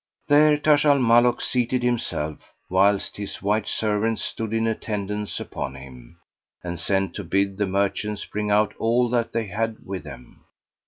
There Taj al Muluk seated himself whilst his white servants stood in attendance upon him, and sent to bid the merchants bring out all that they had with them.